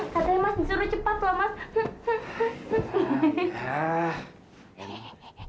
katanya mas disuruh cepat loh mas